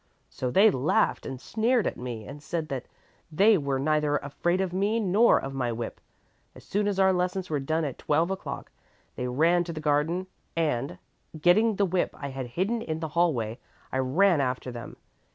So they laughed and sneered at me and said that they were neither afraid of me nor of my whip. As soon as our lessons were done at twelve o'clock, they ran to the garden and, getting the whip I had hidden in the hallway, I ran after them.